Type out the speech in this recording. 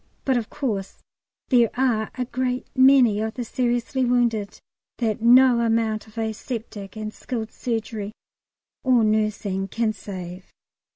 But, of course, there are a great many of the seriously wounded that no amount of aseptic and skilled surgery or nursing can save.